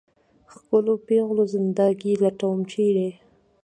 ښکلو پېغلو زنده ګي لټوم ، چېرې ؟